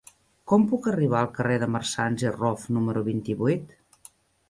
Com puc arribar al carrer de Marsans i Rof número vint-i-vuit?